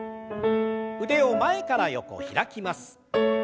腕を前から横開きます。